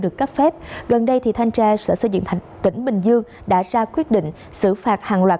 được cấp phép gần đây thì thanh tra sở xây dựng tỉnh bình dương đã ra quyết định xử phạt hàng loạt